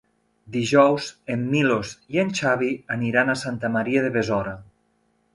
Dijous en Milos i en Xavi aniran a Santa Maria de Besora.